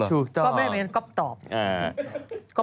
ก็ไม่ได้บอกว่าก๊อบตอบเหรอครับพี่ก็ไม่ได้เห็นก๊อบตอบ